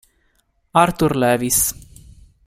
Arthur Lewis